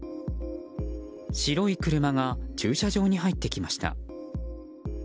白い車が駐車場に入ってきました。